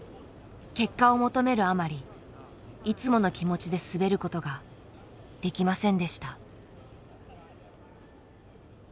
結果を求めるあまりいつもの気持ちで滑ることができませんでした。